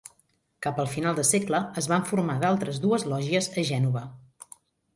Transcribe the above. Cap al final de segle es van formar d'altres dues lògies a Gènova.